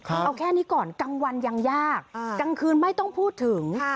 เอาแค่นี้ก่อนกลางวันยังยากกลางคืนไม่ต้องพูดถึง